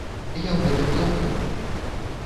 Я ў гэтым не ўпэўнены.